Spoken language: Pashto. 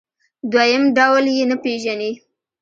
دویم ډول یې نه پېژني.